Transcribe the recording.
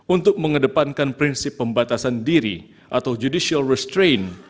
untuk mengedepankan prinsip pembatasan diri atau judicial restrain